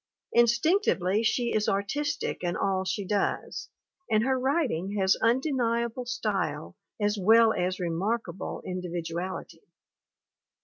Instinctively she is artistic in all she does, and her writing has undeniable style as well as remarkable individuality.